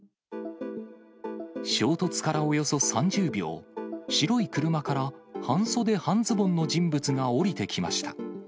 衝突からおよそ３０秒、白い車から、半袖半ズボンの人物が降りてきました。